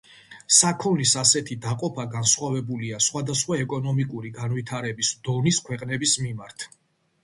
საქონლის ასეთი დაყოფა განსხვავებულია სხვადასხვა ეკონომიკური განვითარების დონის ქვეყნების მიმართ.